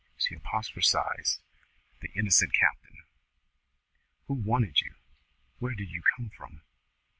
she apostrophised the innocent captain. "Who wanted you? Where did you come from?